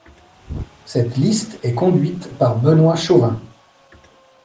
Cette liste est conduite par Benoît Chauvin.